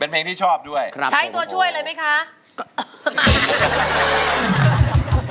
ใช้ตัวช่วยเลยไหมคะ